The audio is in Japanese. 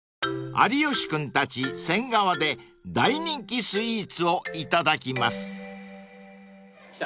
［有吉君たち仙川で大人気スイーツをいただきます］来た。